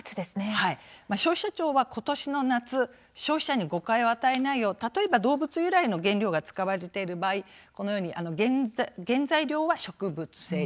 消費者庁は、ことしの夏消費者に誤解を与えないよう例えば動物由来の原料が使われている場合、このように原材料は植物性。